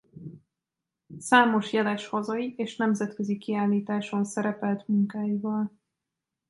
Számos jeles hazai és nemzetközi kiállításon szerepelt munkáival.